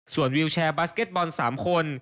ส่วนวิวแชร์บาสเก็ตบอล๓คน